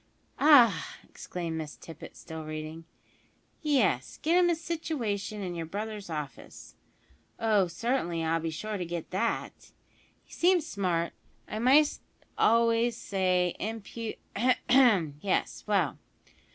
"Ah!" exclaimed Miss Tippet, still reading, "yes; `get him a situation in your brother's office,' (oh, certainly, I'll be sure to get that); `he seems smart, I might almost say impu ' Ahem! Yes, well